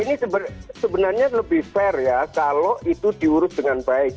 ini sebenarnya lebih fair ya kalau itu diurus dengan baik